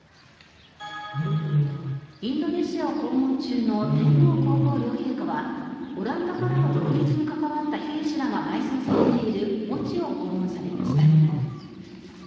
インドネシア訪問中の天皇・皇后両陛下はオランダからの独立に関わった兵士らが埋葬されている墓地を訪問されました。